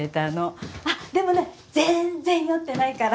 あっでもね全然酔ってないから。